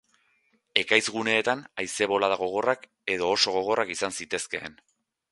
Ekaitz-guneetan, haize-bolada gogorrak edo oso gogorrak izan zitezkeen.